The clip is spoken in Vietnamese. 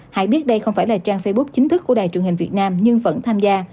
hãy biết đây không phải là trang facebook chính thức của đài truyền hình việt nam nhưng vẫn tham gia